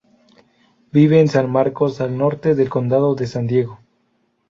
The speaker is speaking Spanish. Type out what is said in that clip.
Vive en San Marcos, al norte del Condado de San Diego.